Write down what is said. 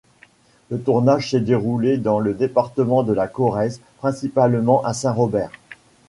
Le tournage s'est déroulé dans le département de la Corrèze, principalement à Saint Robert.